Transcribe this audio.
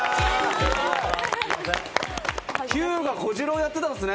日向小次郎をやってたんですね！